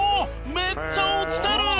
めっちゃ落ちてる！